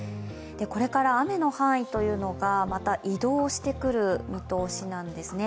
これから雨の範囲がまた移動してくる見通しなんですね。